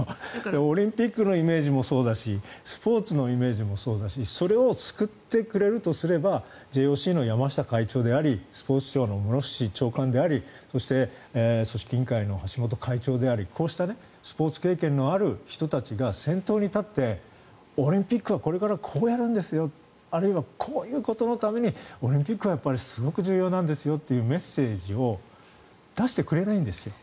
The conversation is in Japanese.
オリンピックのイメージもそうだしスポーツのイメージもそうだしそれを救ってくれるとすればＪＯＣの山下会長でありスポーツ庁の室伏長官でありそして組織委員会の橋本会長でありこうしたスポーツ経験のある人たちが先頭に立って、オリンピックはこれからこうやるんですよあるいは、こういうことのためにオリンピックはすごく重要なんですよというメッセージを出してくれないんですよ。